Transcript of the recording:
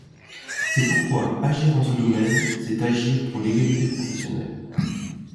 C’est pourquoi, agir en ce domaine, c’est agir pour l’égalité professionnelle.